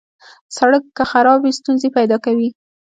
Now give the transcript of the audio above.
سړک که خراب وي، ستونزې پیدا کوي.